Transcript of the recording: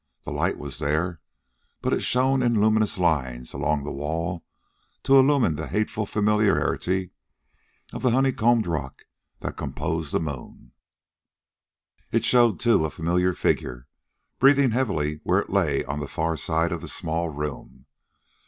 The light was there, but it shone in luminous lines along the wall to illumine the hateful familiarity of the honeycombed rock that composed the moon. It showed, too, a familiar figure, breathing heavily where it lay on the far side of the small room.